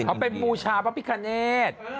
เอาเป็นมูชาป๊าปิกะเนท